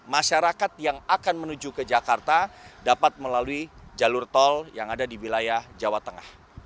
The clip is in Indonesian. masyarakat yang akan menuju ke jakarta dapat melalui jalur tol yang ada di wilayah jawa tengah